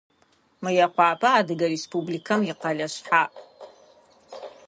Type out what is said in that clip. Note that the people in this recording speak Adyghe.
Мыекъуапэ Адыгэ Республикэм икъэлэ шъхьаӏ.